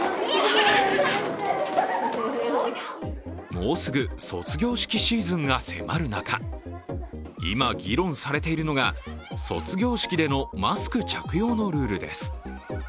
もうすぐ卒業式シーズンが迫る中、今、議論されているのが卒業式でのマスク着用のルールです。